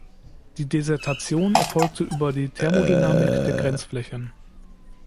Die Dissertation erfolgte über die Thermodynamik der Grenzflächen.